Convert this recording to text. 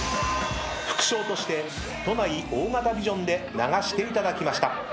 ［副賞として都内大型ビジョンで流していただきました］